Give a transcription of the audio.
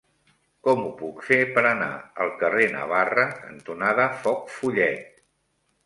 Com ho puc fer per anar al carrer Navarra cantonada Foc Follet?